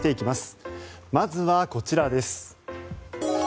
まずはこちらです。